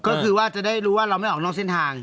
ก็คือว่าจะได้รู้ว่าเราไม่ออกนอกเส้นทาง